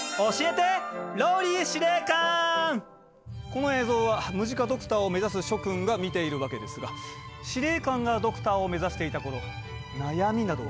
この映像はムジカドクターを目指す諸君が見ているわけですが司令官がいい質問ね。